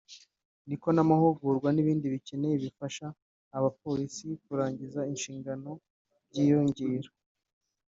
niko n’amahugurwa n’ibindi bikenewe bifasha abapolisi kurangiza inshingano byiyongera